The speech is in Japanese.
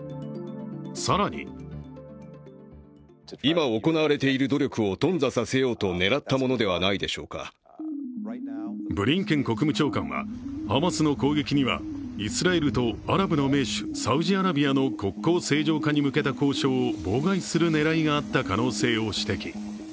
更にブリンケン国務長官はハマスの攻撃にはイスラエルとアラブの盟主、サウジアラビアの国交正常化に向けた交渉を妨害する狙いがあった可能性を指摘。